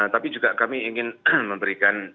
tapi juga kami ingin memberikan